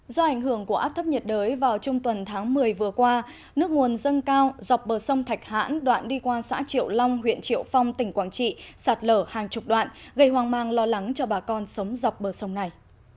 do ảnh hưởng của áp thấp nhiệt đới vào trung tuần tháng một mươi vừa qua nước nguồn dâng cao dọc bờ sông thạch hãn đoạn đi qua xã triệu long huyện triệu phong tỉnh quảng trị sạt lở hàng chục đoạn gây hoang mang lo lắng cho bà con sống dọc bờ sông này